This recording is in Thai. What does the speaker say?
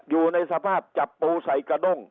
อยู่ในสภาพจับปูใส่กระด้ง